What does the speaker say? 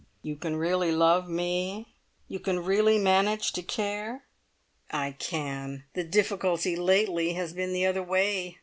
"You can really love me? You can really manage to care?" "I can! The difficulty lately has been the other way!